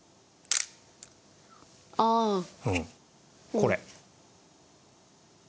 これ。